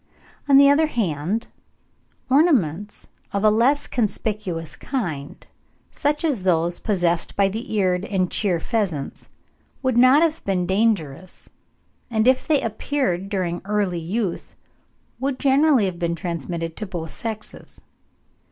On the other hand, ornaments of a less conspicuous kind, such as those possessed by the Eared and Cheer pheasants, would not have been dangerous, and if they appeared during early youth, would generally have been transmitted to both sexes.